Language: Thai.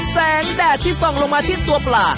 แดดที่ส่องลงมาที่ตัวปลา